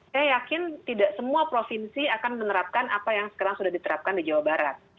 saya yakin tidak semua provinsi akan menerapkan apa yang sekarang sudah diterapkan di jawa barat